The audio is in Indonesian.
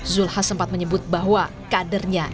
zulkifli hasan sempat menyebut bahwa kadernya